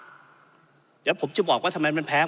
เดี๋ยวผมจะบอกว่าทำไมมันแพ้